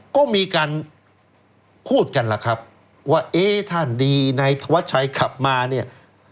ก็มีการพูดกันล่ะครับว่าเอ๊ะถ้าดีในธวัดชัยขับมาเนี่ย